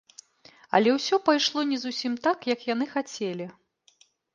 Але ўсё пайшло не зусім так, як яны хацелі.